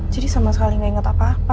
jadi sama sekali gak inget apa apa